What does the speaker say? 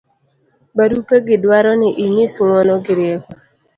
barupe gi dwaro ni inyis ng'uono gi rieko